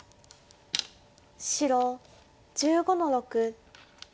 白１５の六。